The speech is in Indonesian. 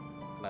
tanya dulu ah